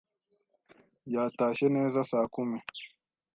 Yatashye neza saa kumi.